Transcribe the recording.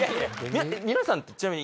皆さんってちなみに。